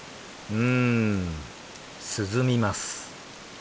うん涼みます。